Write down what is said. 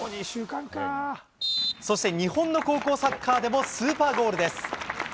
そして日本の高校サッカーでもスーパーゴールです。